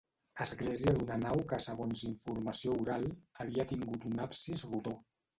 Església d'una nau que segons informació oral, havia tingut un absis rodó.